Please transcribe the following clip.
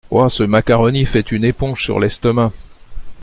Oh ! ce macaroni fait une éponge sur l’estomac !